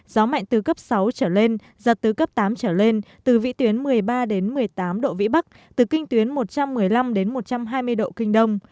gió mạnh từ cấp sáu trở lên giật từ cấp tám trở lên từ vị tuyến một mươi ba một mươi tám độ vĩ bắc từ kinh tuyến một trăm một mươi năm một trăm hai mươi độ kinh đông